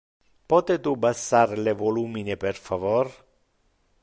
Pote tu bassar le volumine per favor?